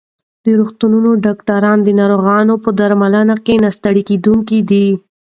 د روغتون ډاکټران د ناروغانو په درملنه کې نه ستړي کېدونکي دي.